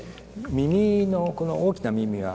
耳のこの大きな耳輪。